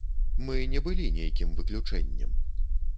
Мы не былі нейкім выключэннем.